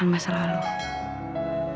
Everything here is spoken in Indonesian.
aku harus memahami